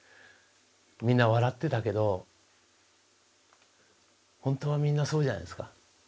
みんな笑ってたけど本当はみんなそうじゃないですか。